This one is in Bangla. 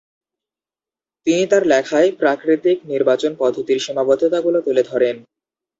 তিনি তাঁর লেখায় প্রাকৃতিক নির্বাচন পদ্ধতির সীমাবদ্ধতাগুলো তুলে ধরেন।